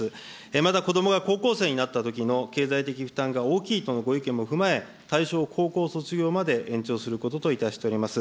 また子どもが高校生になったときの経済的負担が大きいとのご意見も踏まえ、対象を高校卒業まで延長することといたしております。